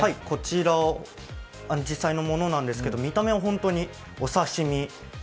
こちら実際のものなんですけれども見た目は本当にお刺身。